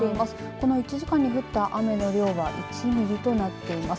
この１時間に降った雨の量は１ミリとなっています。